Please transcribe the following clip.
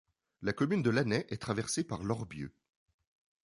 La commune de Lanet est traversée par l’Orbieu.